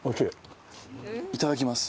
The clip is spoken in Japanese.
いただきます。